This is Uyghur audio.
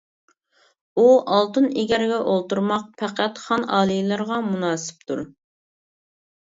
ئۇ ئالتۇن ئېگەرگە ئولتۇرماق پەقەت خان ئالىيلىرىغا مۇناسىپتۇر.